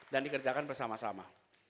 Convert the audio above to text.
dan dikerjakan bersama sama